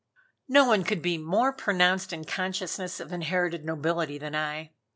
No one could be more pronounced in a consciousness of inherited nobility than I.